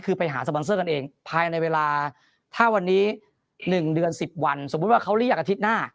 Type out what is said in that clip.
คือไปหาสปอนเซอร์กันเองภายในเวลาถ้าวันนี้๑เดือน๑๐วันสมมุติว่าเขาเรียกอาทิตย์หน้า